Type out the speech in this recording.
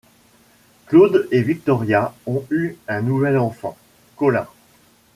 Claude et Victoria ont eu un nouvel enfant: Colin.